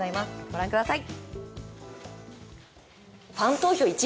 ご覧ください。